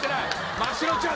マシロちゃん